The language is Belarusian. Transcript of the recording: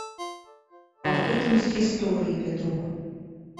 Аб гэтым з гісторыі вядома.